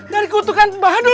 dari kutukan bhanu